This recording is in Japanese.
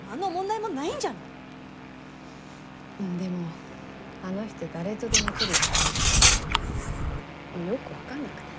でもあの人誰とでも距離近いからよくわかんなくて。